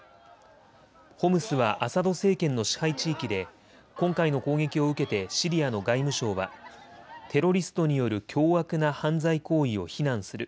ホムスはアサド政権の支配地域で今回の攻撃を受けてシリアの外務省はテロリストによる凶悪な犯罪行為を非難する。